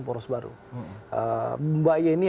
poros baru mbak yeni